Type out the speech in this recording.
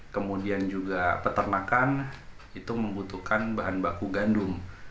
kemudian juga peternakan itu membutuhkan bahan baku gandum